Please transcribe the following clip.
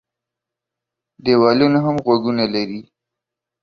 ديوالونه هم غوږونه لري.